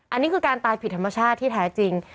อันนี้คือการตายผิดธรรมชาติที่แท้จริง